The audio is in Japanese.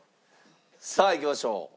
さあいきましょう。